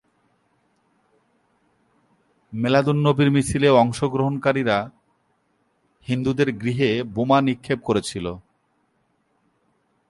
মিলাদ-উল-নবীর মিছিলে অংশগ্রহণকারীরা হিন্দুদের গৃহে বোমা নিক্ষেপ করেছিল।